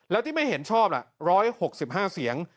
แล้วที่ไม่เห็นชอบล่ะ๑๖๕เสียง